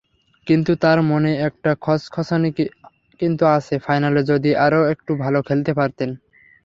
কিন্তু তাঁর মনে একটা খচখচানি কিন্তু আছে—ফাইনালে যদি আরেকটু ভালো খেলতে পারতেন।